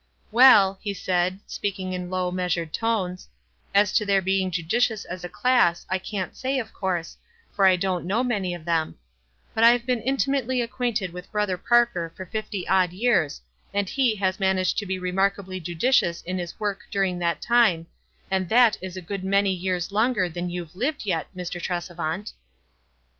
"Well," he said, speaking in low, measured tones, "as to their being judicious as a class, I can't say, of course, for I don't know many of them ; but I've been intimately acquainted with Brother Parker for fifty odd years, and he has managed to be remarkably judicious in his work during that time, and that is a good many years longer than you've lived yet, Mr. Tresevant."